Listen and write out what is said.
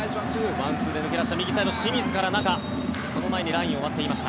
ワンツーで抜け出した右サイドの清水から中、その前にラインを割っていました。